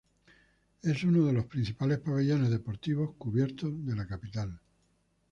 Es uno de los principales pabellones deportivos cubiertos de la capital.